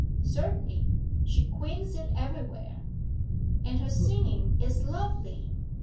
'Certainly; she queens it everywhere.' 'And her singing is lovely!